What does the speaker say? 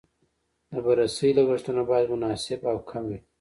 د بررسۍ لګښتونه باید مناسب او کم وي.